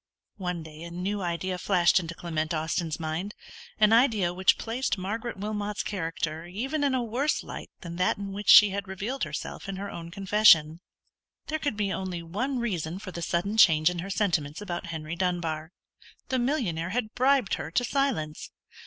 One day a new idea flashed into Clement Austin's mind; an idea which placed Margaret Wilmot's character even in a worse light than that in which she had revealed herself in her own confession. There could be only one reason for the sudden change in her sentiments about Henry Dunbar: the millionaire had bribed her to silence!